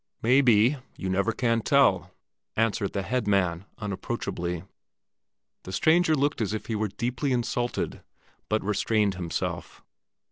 "May be. You never can tell!" answered the head man unapproachably. The stranger looked as if he were deeply insulted, but restrained himself.